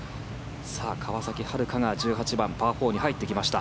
川崎春花が１８番、パー４に入ってきました。